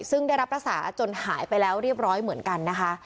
ซึ่งได้รับรักษาจนหายไปแล้วเรียบร้อยเหมือนกันนะคะ